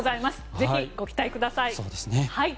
ぜひご期待ください。